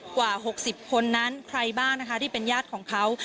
กว่า๖๐คนนั้นใครบ้างนะคะที่เป็นญาติของเขา